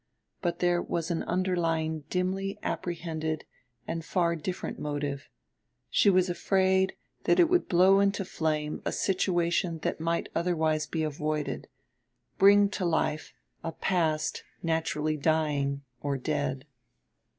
But there was an underlying dimly apprehended and far different motive: she was afraid that it would blow into flame a situation that might otherwise be avoided, bring to life a past naturally dying or dead.